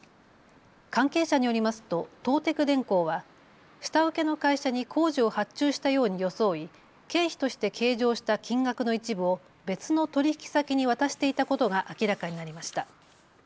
関係者によりますと東テク電工は下請けの会社に工事を発注したように装い経費として計上した金額の一部を別の取引先に渡していたことが明らかになりました。